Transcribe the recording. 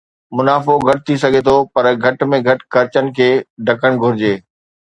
منافعو گهٽ ٿي سگهي ٿو پر گهٽ ۾ گهٽ خرچن کي ڍڪڻ گهرجي